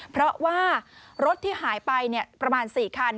เพราะว่ารถที่หายไปประมาณ๔คัน